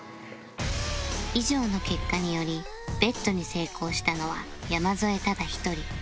以上の結果により ＢＥＴ に成功したのは山添ただ一人